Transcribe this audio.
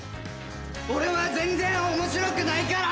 俺は全然面白くないから！